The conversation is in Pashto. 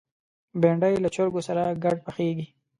بېنډۍ له چرګو سره ګډ پخېږي